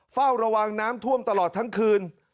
เฝ้าระวังน้ำท่วมตลอดทั้งคืน